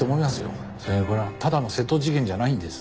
それにこれはただの窃盗事件じゃないんです。